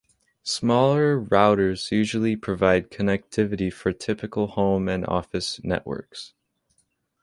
Smaller routers usually provide connectivity for typical home and office networks.